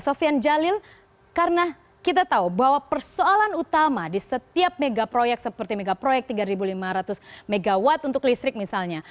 sofian jalil karena kita tahu bahwa persoalan utama di setiap mega proyek seperti megaproyek tiga lima ratus mw untuk listrik misalnya